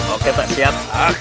oke pak siap